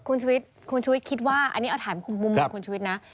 คุณชวิตคุณชวิตคิดว่าอันนี้เอาถ่ายมาคุณมุมหน่อยคุณชวิตนะ